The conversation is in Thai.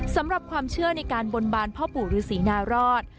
สำหรับความเชื่อในการบนบานพ่อปู่ฤษีนารอด